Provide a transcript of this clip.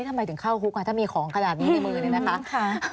ทำไมถึงเข้าคุกถ้ามีของขนาดนี้ในมือเนี่ยนะคะ